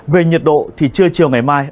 về nhiệt độ thì trưa chiều ngày mai